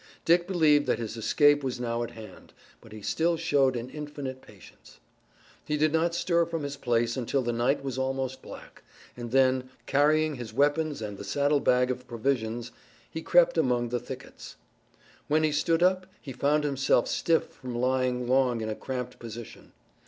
Dick believed that his escape was now at hand, but he still showed an infinite patience. He did not stir from his place until the night was almost black, and then, carrying his weapons and the saddlebag of provisions, he crept among the thickets. When he stood up he found himself stiff from lying long in a cramped position.